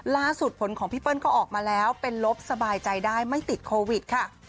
ล่าสุดผลของพี่เปิ้ลก็ออกมาแล้วเป็นลบสบายใจได้ไม่ติดโควิดค่ะ